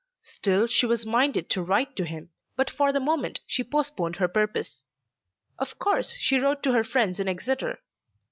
Still she was minded to write to him, but for the moment she postponed her purpose. Of course she wrote to her friends in Exeter.